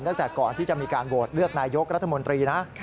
ตั้งแต่ก่อนที่จะมีการโหวตเลือกนายกรัฐมนตรีนะ